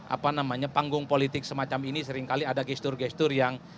apa namanya panggung politik semacam ini seringkali ada gestur gestur yang